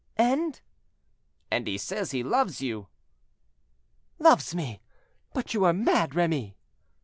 "And—" "And he says he loves you." "Loves me! but you are mad, Remy."